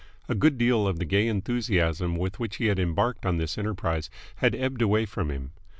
A good deal of the gay enthusiasm with which he had embarked on this enterprise had ebbed away from him.